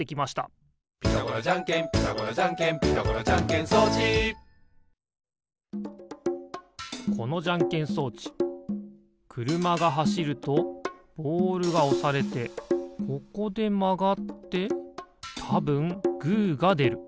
「ピタゴラじゃんけんピタゴラじゃんけん」「ピタゴラじゃんけん装置」このじゃんけん装置くるまがはしるとボールがおされてここでまがってたぶんグーがでる。